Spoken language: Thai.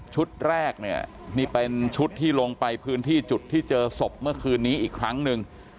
แรกเนี่ยนี่เป็นชุดที่ลงไปพื้นที่จุดที่เจอศพเมื่อคืนนี้อีกครั้งหนึ่ง